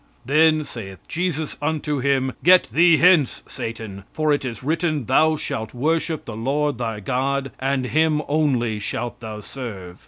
"Then saith Jesus unto him, Get thee hence, Satan, for it is written, Thou shalt worship the Lord thy God, and him only shalt thou serve."